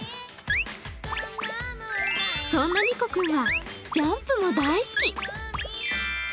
そんなにこくんはジャンプも大好き。